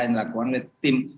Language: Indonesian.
yang dilakukan oleh tim